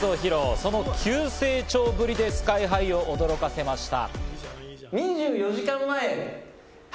その急成長ぶりでＳＫＹ−ＨＩを驚かせました。